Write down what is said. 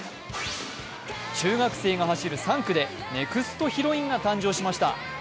中学生が走る３区でネクストヒロインが誕生しました。